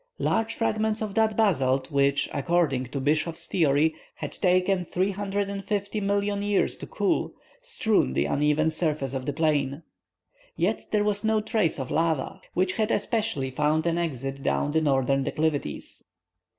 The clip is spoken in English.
Large fragments of that basalt which, according to Bischof's theory, has taken 350,000,000 years to cool, strewed the uneven surface of the plain. Yet there was no trace of lava, which had especially found an exit down the northern declivities.